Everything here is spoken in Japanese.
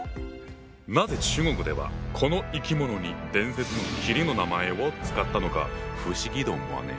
なぜ中国ではこの生き物に伝説の麒麟の名前を使ったのか不思議と思わねえ？